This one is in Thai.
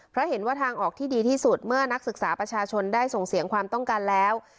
เพราะเห็นว่าทางออกที่ดีที่สุดเมื่อนักศึกษาประชาชนได้ส่งเสียงความต้องการแล้ว